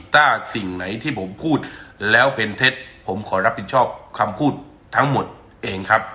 ถ้าสิ่งไหนที่ผมพูดแล้วเป็นเท็จผมขอรับผิดชอบคำพูดทั้งหมดเองครับ